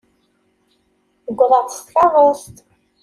Uwḍeɣ-d s tkeṛṛust.